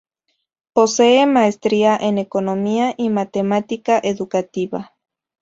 Posee maestría en Economía y Matemática educativa.